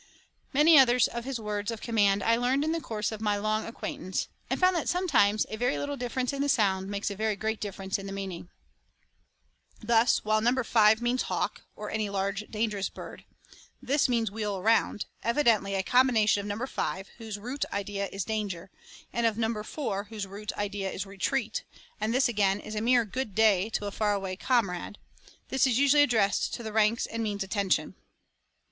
Many others of his words of command I learned in the course of my long acquaintance, and found that sometimes a very little difference in the sound makes a very great difference in meaning. Thus while No. 5 means hawk, or any large, dangerous bird, this means 'wheel around,' evidently a combination of No. 5, whose root idea is danger, and of No. 4, whose root idea is retreat, and this again is a mere 'good day,' to a far away comrade. This is usually addressed to the ranks and means 'attention.'